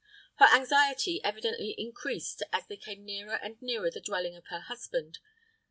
Her anxiety evidently increased as they came nearer and nearer the dwelling of her husband.